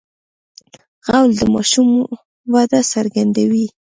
غول د ماشوم وده څرګندوي.